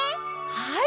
はい。